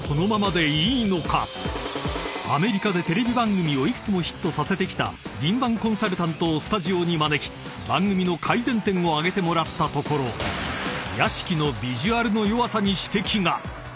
［アメリカでテレビ番組を幾つもヒットさせてきた敏腕コンサルタントをスタジオに招き番組の改善点を挙げてもらったところ屋敷のビジュアルの弱さに指摘が］